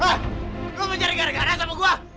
hah lo menjara gara gara sama gue